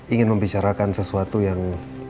ingin membicarakan sesuatu yang